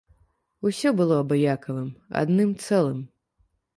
Усё было абыякавым, адным цэлым.